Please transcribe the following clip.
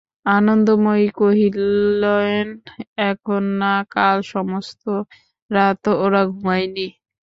আনন্দময়ী কহিলেন, এখন না– কাল সমস্ত রাত ওরা ঘুমোয় নি।